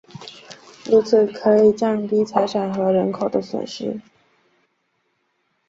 如此可以降低财产和人口的损失。